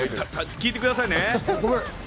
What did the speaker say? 聞いてくださいね。